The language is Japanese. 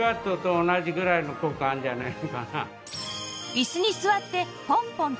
椅子に座ってポンポンと踏むだけ